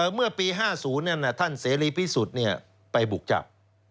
เมื่อปี๕๐ท่านเสรีพิสุทธิ์ไปบุกจับ